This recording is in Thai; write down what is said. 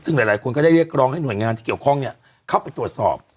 ซึ่งหลายคนก็ได้เรียกร้องให้หน่วยงานที่เกี่ยวข้องเข้าไปตรวจสอบ